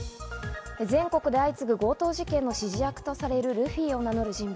全国で相次ぐ強盗事件の指示役とされるルフィを名乗る人物。